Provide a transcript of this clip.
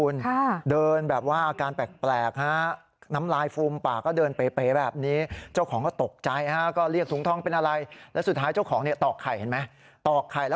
หิวไก่หลังอนสีน้ำตาลสวยด้วยนะ